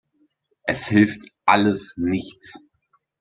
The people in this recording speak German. Es hilft alles nichts.